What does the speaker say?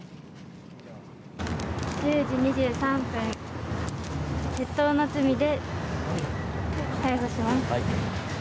０時２３分窃盗の罪で逮捕します。